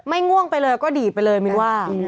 ง่วงไปเลยก็ดีดไปเลยมินว่า